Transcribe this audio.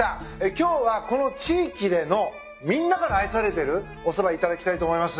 今日はこの地域でのみんなから愛されてるおそば頂きたいと思います。